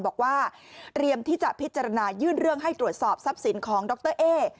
บอกว่าเตรียมที่จะพิจารณายื่นเรื่องให้ตรวจสอบทรัพย์สินของดรเอ๊